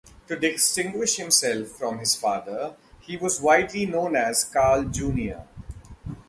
To distinguish himself from his father, he was widely known as Carl Junior.